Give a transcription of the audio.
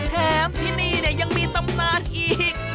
แถมที่นี่ยังมีตำนานอีก